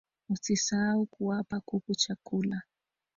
Usisahau kuwapa kuku chakula